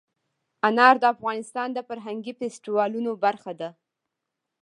انار د افغانستان د فرهنګي فستیوالونو برخه ده.